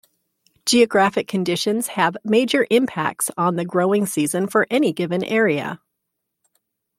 Geographic conditions have major impacts on the growing season for any given area.